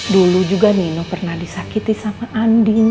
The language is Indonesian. dulu juga nino pernah disakiti sama andin